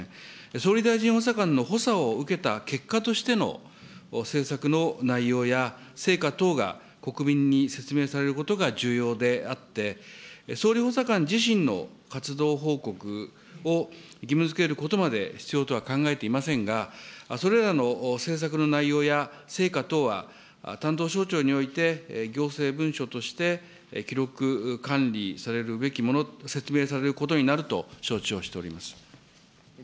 総理大臣補佐官の補佐を受けた結果としての政策の内容や成果等が国民に説明されることが重要であって、総理補佐官自身の活動報告を義務づけることまで必要とは考えていませんが、それらの政策の内容や成果等は、担当省庁において行政文書として記録管理されるべきもの、説明されることになると承知をしております。